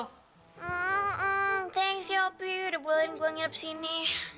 hmm thanks ya opi udah bulan gua ngilip sini